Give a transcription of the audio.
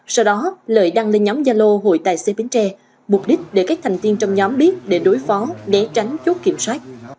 sau đó lợi đăng lên nhóm gia lô hội tài xế bến tre mục đích để các thành viên trong nhóm biết để đối phó đế tránh chốt kiểm soát